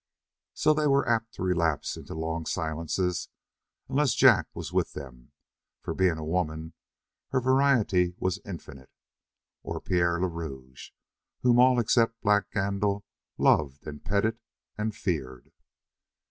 So they were apt to relapse into long silences unless Jack was with them, for being a woman her variety was infinite, or Pierre le Rouge, whom all except Black Gandil loved and petted, and feared.